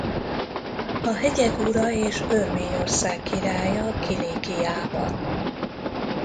A Hegyek ura és Örményország királya Kilikiában.